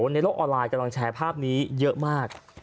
ในโลกออนไลน์กำลังแชร์ภาพนี้เยอะมาก